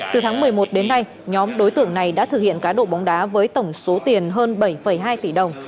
từ tháng một mươi một đến nay nhóm đối tượng này đã thực hiện cá độ bóng đá với tổng số tiền hơn bảy hai tỷ đồng